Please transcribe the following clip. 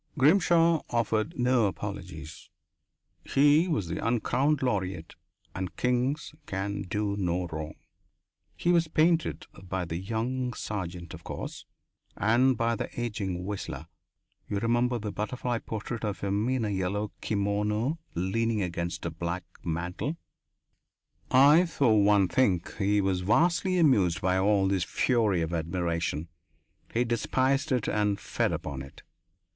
Grimshaw offered no apologies. He was the uncrowned laureate and kings can do no wrong. He was painted by the young Sargent, of course, and by the aging Whistler you remember the butterfly's portrait of him in a yellow kimono leaning against a black mantel? I, for one, think he was vastly amused by all this fury of admiration; he despised it and fed upon it.